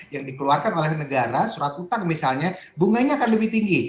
yang dikeluarkan oleh negara surat utang misalnya bunganya akan lebih tinggi